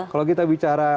kalau kita bicara